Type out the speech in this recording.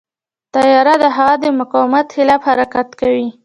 طیاره د هوا د مقاومت خلاف حرکت کوي.